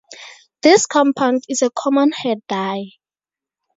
This compound is a common hair dye.